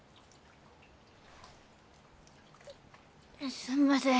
すんません